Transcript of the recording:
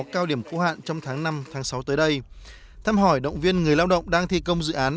cao điểm cố hạn trong tháng năm sáu tới đây tham hỏi động viên người lao động đang thi công dự án